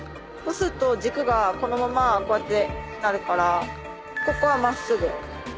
「そうすると軸がこのままこうやってなるからここは真っすぐ。